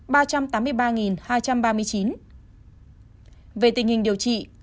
về tình hình điều trị